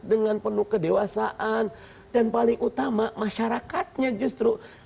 dengan penuh kedewasaan dan paling utama masyarakatnya justru